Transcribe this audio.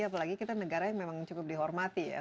apalagi kita negara yang memang cukup dihormati ya